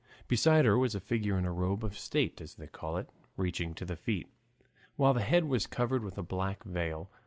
Beside her was a figure in a robe of state, as they call it, reaching to the feet, while the head was covered with a black veil.